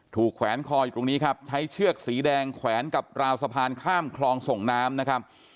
แขวนคออยู่ตรงนี้ครับใช้เชือกสีแดงแขวนกับราวสะพานข้ามคลองส่งน้ำนะครับ